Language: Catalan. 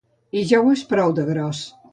I ja ho és prou, de gros.